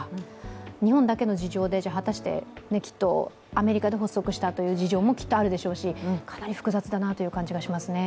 日本だけの事情で果たして、きっとアメリカで発足したという事情もきっとあるでしょうし、かなり複雑だなという感じがしますね。